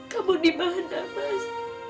kamu dimana mas